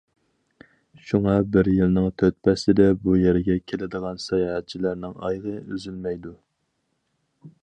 شۇڭا بىر يىلنىڭ تۆت پەسلىدە بۇ يەرگە كېلىدىغان ساياھەتچىلەرنىڭ ئايىغى ئۈزۈلمەيدۇ.